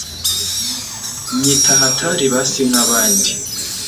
Nyita hatari basi nkabandi